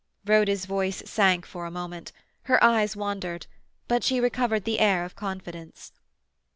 Rhoda's voice sank for a moment; her eyes wandered; but she recovered the air of confidence.